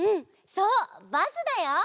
そうバスだよ！